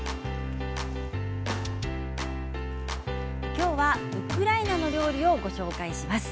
きょうはウクライナの料理をご紹介します。